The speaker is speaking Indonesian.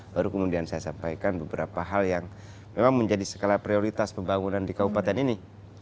baru kemudian saya sampaikan beberapa hal yang memang menjadi skala prioritas pembangunan di kabupaten ini